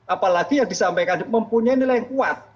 apalagi yang disampaikan mempunyai nilai yang kuat